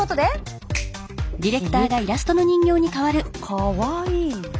かわいい。